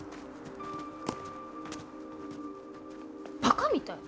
バカみたい。